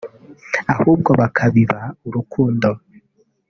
ahubwo bakabiba urukundo